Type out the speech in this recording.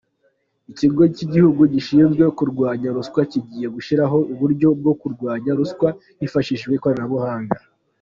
Icyigo kigihugu gishinzwe kurwanya ruswa kigiye gushyiraho uburyo bwo kurwanya ruswa hifashishijwe ikoranabuhanga